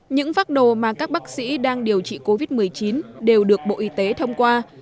những phác đồ mà các bác sĩ đang điều trị covid một mươi chín đều được bộ y tế thông qua